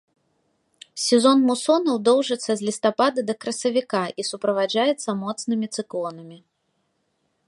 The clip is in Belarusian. Сезон мусонаў доўжыцца з лістапада да красавіка і суправаджаецца моцнымі цыклонамі.